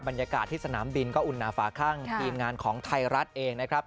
บรรยากาศที่สนามบินก็อุ่นหนาฝาข้างทีมงานของไทยรัฐเองนะครับ